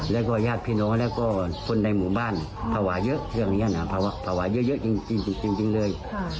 แล้วก็ญาติพี่น้องแล้วก็คนในหมู่บ้านเผาหวาเยอะเพราะว่าเยอะจริงเลย